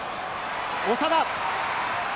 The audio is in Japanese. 長田。